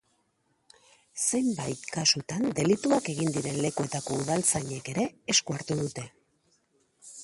Zenbait kasutan, delituak egin diren lekuetako udaltzainek ere esku hartu dute.